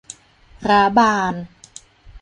ร้าบาน